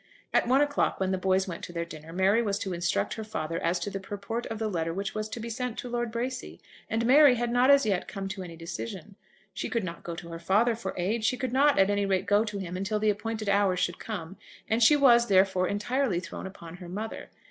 At one o'clock, when the boys went to their dinner, Mary was to instruct her father as to the purport of the letter which was to be sent to Lord Bracy, and Mary had not as yet come to any decision. She could not go to her father for aid; she could not, at any rate, go to him until the appointed hour should come; and she was, therefore, entirely thrown upon her mother.